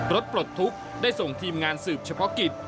ปลดทุกข์ได้ส่งทีมงานสืบเฉพาะกิจ